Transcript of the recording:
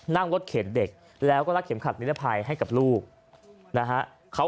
นั่งรถเข็นเด็กแล้วก็รักเข็มขัดนิรภัยให้กับลูกนะฮะ